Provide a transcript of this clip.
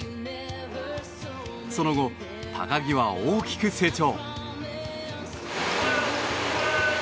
その後、高木は大きく成長。